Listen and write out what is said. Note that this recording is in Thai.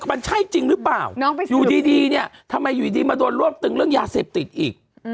มันใช่จริงหรือเปล่าอยู่ดีเนี่ยทำไมอยู่ดีมาโดนรวบตึงเรื่องยาเสพติดอีก